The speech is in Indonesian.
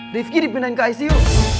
rifki dipindahin ke icu